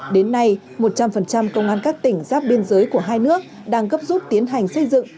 đến nay một trăm linh công an các tỉnh giáp biên giới của hai nước đang gấp rút tiến hành xây dựng